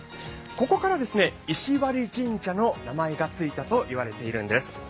ここから石割神社の名前がついたと言われているんです。